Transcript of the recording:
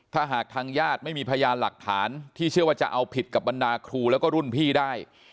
ถ้าหากทางญาติไม่มีพยานหลักฐานที่เชื่อว่าจะเอาผิดกับบรรดาครูแล้วก็รุ่นพี่ได้